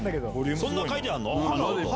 そんな書いてあんの？